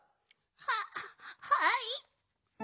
ははい。